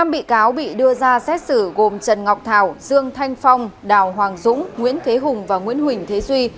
năm bị cáo bị đưa ra xét xử gồm trần ngọc thảo dương thanh phong đào hoàng dũng nguyễn thế hùng và nguyễn huỳnh thế duy